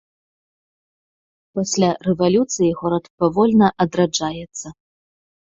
Пасля рэвалюцыі горад павольна адраджаецца.